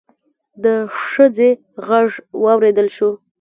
د ښځې غږ واوريدل شو.